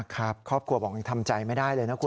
ครับครอบครัวบอกทำใจไม่ได้เลยนะคุณครับ